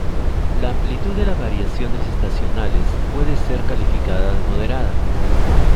La amplitud de las variaciones estacionales puede ser calificada de moderada.